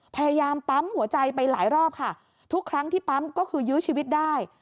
พยายามปั๊มหัวใจไปหลายรอบค่ะทุกครั้งที่ปั๊มก็คือยื้อชีวิตได้